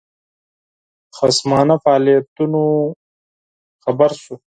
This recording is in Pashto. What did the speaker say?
خصمانه فعالیتونو خبر شو.